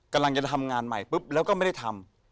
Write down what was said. กำลังจะทำงานใหม่ปุ๊บแล้วก็ไม่ได้ทำ